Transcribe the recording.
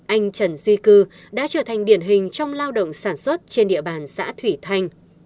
anh trần duy cư đã trở thành điển hình trong lao động sản xuất trên địa bàn xã thủy thanh